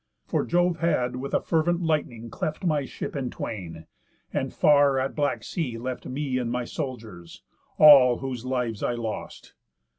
For Jove had with a fervent lightning cleft My ship in twain, and far at black sea left Me and my soldiers; all whose lives I lost.